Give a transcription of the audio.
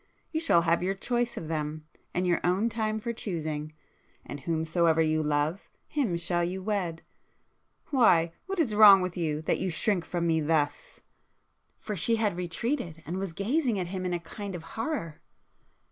You shall have your choice of them, and your own time for choosing,—and whomsoever you love, him you shall wed, ... why—what is wrong with you that you shrink from me thus?" For she had retreated, and was gazing at him in a kind of horror.